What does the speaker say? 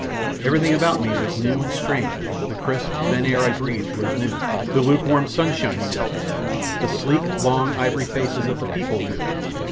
Everything about me was new and strange, the crisp, thin air I breathed was new; the lukewarm sunshine new; the sleek, long, ivory faces of the people new!